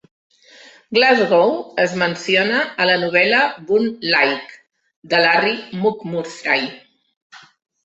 Glasgow es menciona a la novel·la "Boone's Lick", de Larry McMurtry.